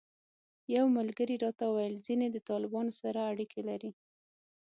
یو ملګري راته وویل ځینې د طالبانو سره اړیکې لري.